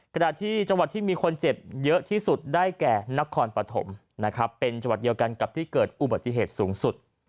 ขณะที่จังหวัดที่มีคนเจ็บเยอะที่สุดได้แก่นครปฐมนะครับเป็นจังหวัดเดียวกันกับที่เกิดอุบัติเหตุสูงสุด